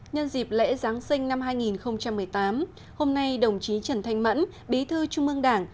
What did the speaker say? nhân dịp lễ giáng sinh năm hai nghìn một mươi tám hôm nay đồng chí trần thanh mẫn bí thư trung ương đảng